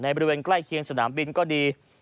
บริเวณใกล้เคียงสนามบินก็ดี